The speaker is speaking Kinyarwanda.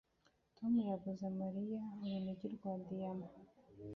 Tom yaguze Mariya urunigi rwa diyama